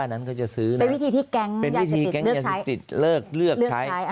ผมคุยกับนิทม